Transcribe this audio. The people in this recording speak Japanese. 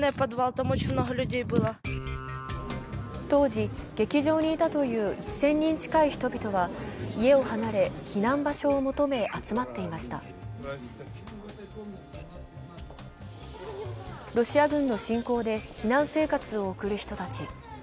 当時、劇場にいたという１０００人近い人々は家を離れ避難場所を求め、集まっていましたロシア軍の侵攻で避難生活を送る人たち。